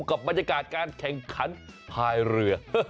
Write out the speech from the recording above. กับบรรยากาศการแข่งขันภายเรือ